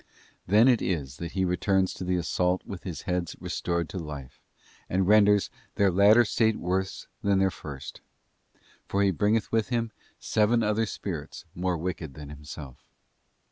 Then it is that he returns to the assault with his heads restored to life, and renders ' their latter state worse than the first,' for he bringeth with him 'seven other spirits more wicked than himself.